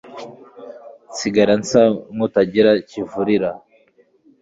nsigara nsa n'utakigira kivulira